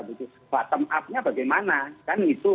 bottom upnya bagaimana kan itu